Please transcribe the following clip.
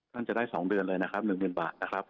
ท่านจะได้สองเดือนเลยนะครับหนึ่งเงินบาทนะครับ